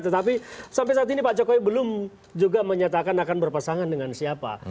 tetapi sampai saat ini pak jokowi belum juga menyatakan akan berpasangan dengan siapa